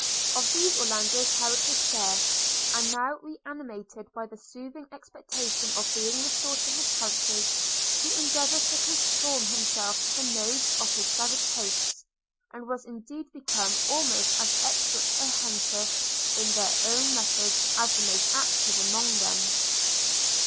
Of these Orlando carried his share; and now, re animated by the soothing expectation of being restored to his country, he endeavoured to conform himself to the modes of his savage hosts, and was indeed become almost as expert as hunter, in their own methods, as the most active among them.